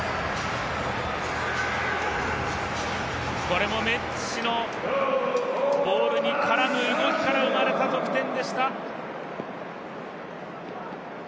これもメッシのボールに絡む動きから生まれた得点でした。